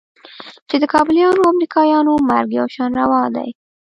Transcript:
چې د کابليانو او امريکايانو مرګ يو شان روا دى.